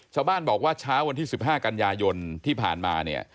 ชาวบ้านบอกว่าเช้าวันที่๑๕กันยายนที่ผ่านมาเนี่ย